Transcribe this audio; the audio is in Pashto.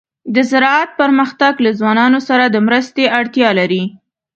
د زراعت پرمختګ له ځوانانو سره د مرستې اړتیا لري.